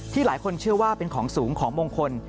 หลายคนเชื่อว่าเป็นของสูงของมงคล